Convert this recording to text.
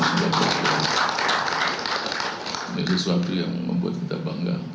ini sesuatu yang membuat kita bangga